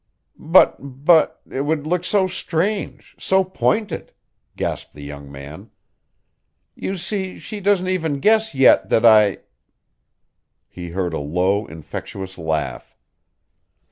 "But but it would look so strange, so pointed," gasped the young man. "You see she doesn't even guess yet that I " He heard a low, infectious laugh.